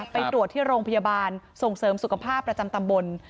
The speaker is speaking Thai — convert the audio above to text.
ไปตรวจที่โรงพยาบาลส่งเสริมสุขภาพประจำตำบล